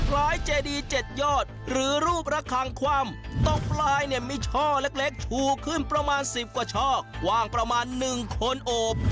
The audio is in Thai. คล้ายเจดี๗ยอดหรือรูประคังคว่ำตกปลายเนี่ยมีช่อเล็กชูขึ้นประมาณ๑๐กว่าช่อกว้างประมาณ๑คนโอบ